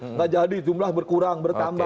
nggak jadi jumlah berkurang bertambah